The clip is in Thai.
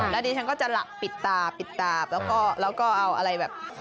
และดิฉันก็จะหลับปิดตาแล้วก็เอาแบบ